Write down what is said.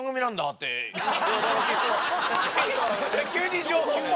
急に情報を。